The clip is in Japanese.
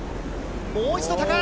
もう一度、高い！